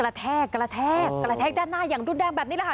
แทกกระแทกกระแทกด้านหน้าอย่างรุนแรงแบบนี้แหละค่ะ